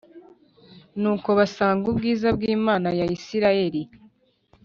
Nuko basanga ubwiza bw’ Imana ya Isirayeli.